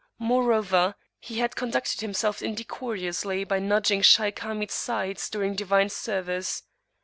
Moreover, he had conducted himself indecorously by nudging Shaykh Hamid's sides during divine service.